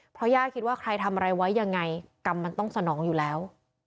เพราะย่าคิดว่าใครทำอะไรไว้ยังไงกรรมมันต้องสนองอยู่แล้ว